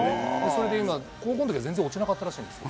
それで今、高校のときは全然落ちなかったらしいんです。